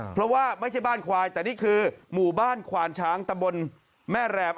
เพราะว่าไม่ใช่บ้านควายแต่นี่คือหมู่บ้านควานช้างตะบนแม่แรม